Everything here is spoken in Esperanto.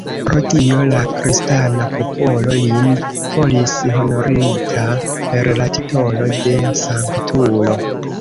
Pro tio la kristana popolo lin volis honorita per le titolo de Sanktulo.